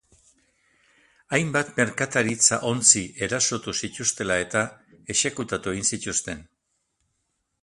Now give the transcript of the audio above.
Hainbat merkataritza-ontzi erasotu zituztela eta, exekutatu egin zituzten.